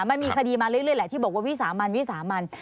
มันมีคดีมาเรื่อยแหละที่บอกว่าวิสามันวิสามัน